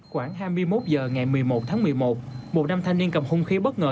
khoảng hai mươi một h ngày một mươi một tháng một mươi một một nam thanh niên cầm hung khí bất ngờ